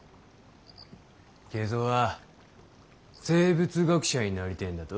敬三は生物学者になりてぇんだと？